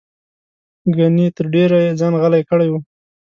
ګنې تر ډېره یې ځان غلی کړی و.